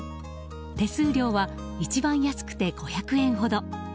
手数料は一番安くて５００円ほど。